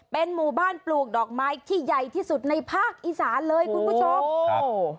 เป็นหมู่บ้านปลูกดอกไม้ที่ใหญ่ที่สุดในภาคอีสานเลยคุณผู้ชมครับ